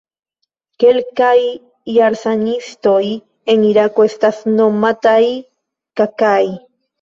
Kelkaj Jarsanistoj en Irako estas nomataj "Kaka'i".